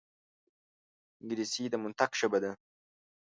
انګلیسي د منطق ژبه ده